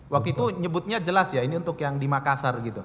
waktu itu nyebutnya jelas ya ini untuk yang di makassar gitu